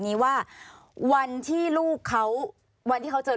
ปีอาทิตย์ห้ามีสปีอาทิตย์ห้ามีส